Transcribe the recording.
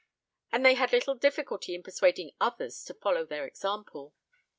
And they had little difficulty in persuading others to follow their example.